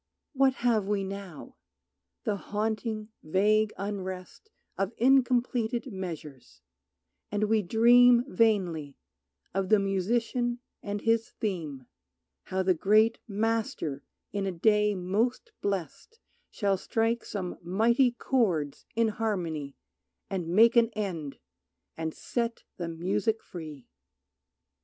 What have we now? The haunting, vague unrest Of incompleted measures; and we dream Vainly, of the Musician and His theme, How the great Master in a day most blest Shall strike some mighty chords in harmony, And make an end, and set the music free!